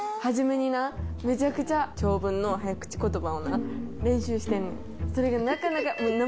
めちゃくちゃ長文の早口言葉をな練習してんねん。